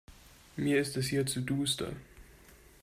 Mir ist es hier zu duster.